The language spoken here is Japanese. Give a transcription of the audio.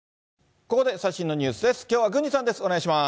ここで最新のニュースです。